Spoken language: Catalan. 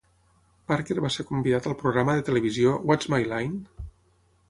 Parker va ser convidat al programa de televisió What's My Line?